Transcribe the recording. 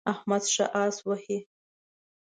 احمد ښه اس وهي.